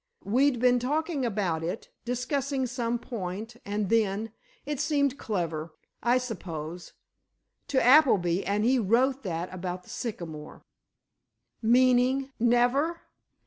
We'd been talking about it, discussing some point, and then—it seemed clever, I suppose—to Appleby, and he wrote that about the sycamore." "Meaning—never?"